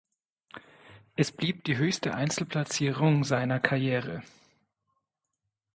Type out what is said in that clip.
Es blieb die höchste Einzelplatzierung seiner Karriere.